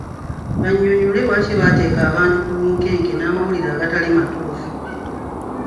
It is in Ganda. Bannyonnyole lwaki bateeka abantu ku bunkenke n’amawulire agatali matuufu.